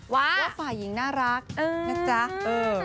ว่าว่าฝ่ายหญิงน่ารักเออนะจ๊ะเออ